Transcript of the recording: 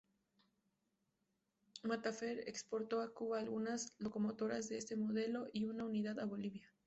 Materfer exportó a Cuba algunas locomotoras de este modelo y una unidad a Bolivia.